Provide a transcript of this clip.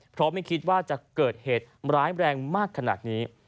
เพราะไม่คิดว่าจะเกิดเหตุร้ายแรงมากขนาดนี้